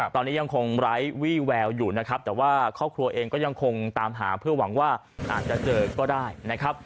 ตอนนี้ยังคงไร้วี่แววอยู่นะครับแต่ว่าครอบครัวเองก็ยังคงตามหาเพื่อหวังว่าอาจจะเจอก็ได้นะครับ